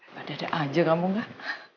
padada aja kamu gak